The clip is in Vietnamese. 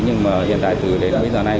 nhưng mà hiện tại từ đến bây giờ này